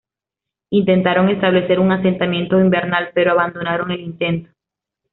Intentaron establecer un asentamiento invernal, pero abandonaron el intento.